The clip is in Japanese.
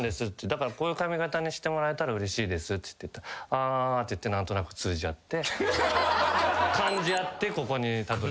だからこういう髪形にしてもらえたらうれしいですって言ったら「ああ」って言って何となく通じ合って感じ合ってここにたどりついて。